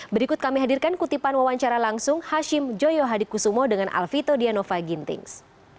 berikut kami hadirkan kutipan wawancara langsung hashim joyo hadikusumo dengan alvito dianova gintings